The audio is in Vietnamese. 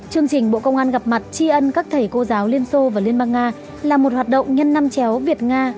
chương trình bộ công an gặp mặt tri ân các thầy cô giáo liên xô và liên bang nga là một hoạt động nhân năm chéo việt nga